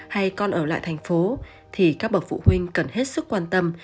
hay con ở lại thành phố thì các bậc phụ huynh cần hết sức quan tâm